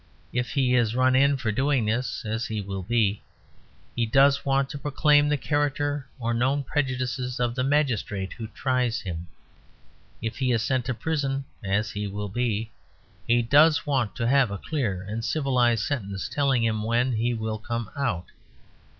If he is run in for doing this (as he will be) he does want to proclaim the character or known prejudices of the magistrate who tries him. If he is sent to prison (as he will be) he does want to have a clear and civilised sentence, telling him when he will come out.